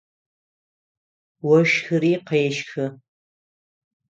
Ощхыри къещхы.